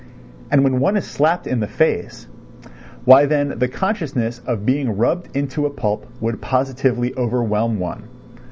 And when one is slapped in the face—why then the consciousness of being rubbed into a pulp would positively overwhelm one.